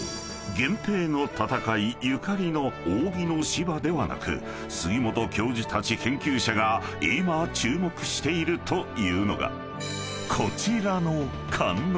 源平の戦いゆかりの扇の芝ではなく杉本教授たち研究者が今注目しているというのがこちらの］